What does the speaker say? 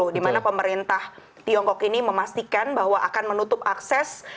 dimana pemerintah tiongkok ini memastikan bahwa akan menutup akses